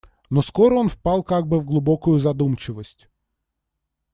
Но скоро он впал как бы в глубокую задумчивость.